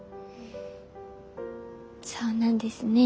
そうなんですね。